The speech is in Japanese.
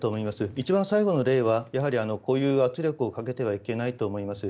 一番最後の例はこういう圧力をかけてはいけないと思います。